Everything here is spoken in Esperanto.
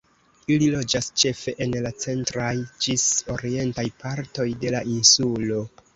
Ili loĝas ĉefe en la centraj ĝis orientaj partoj de la insulo.